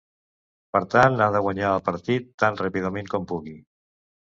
Per tant, ha de guanyar el partit tan ràpidament com pugui.